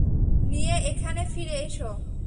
নিয়ে এখানে ফিরে এসো।